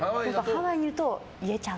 ハワイにいると言えちゃう。